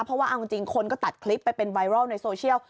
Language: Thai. เพราะว่าเอาจริงคนก็ตัดคลิปไปเป็นไวรัลในโซเชียล